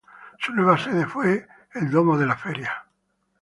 Su nueva sede fue el Domo de la Feria.